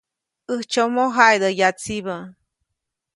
‒ʼÄjtsyomo jaʼidä yatsibä-.